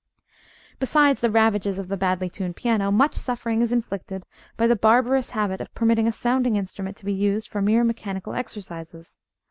Besides the ravages of the badly tuned piano, much suffering is inflicted by the barbarous habit of permitting a sounding instrument to be used for mere mechanical exercises.